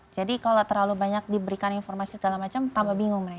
jadi kalau terlalu banyak diberikan informasi segala macam tambah bingung mereka